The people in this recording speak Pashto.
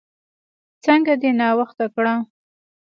څنګه دې ناوخته کړه؟